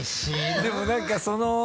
でも何かその。